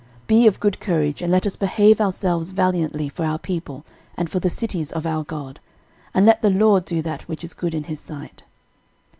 13:019:013 Be of good courage, and let us behave ourselves valiantly for our people, and for the cities of our God: and let the LORD do that which is good in his sight.